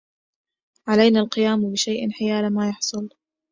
علينا القيام بشيء حيال ما يحصل.